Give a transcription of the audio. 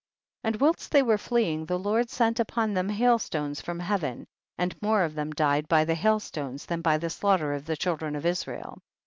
61. And whilst they were fleeing, the Lord sent upon them hail stones from heaven, and more of them died by the hail stones, than by the slaugh ter of the children of Israel.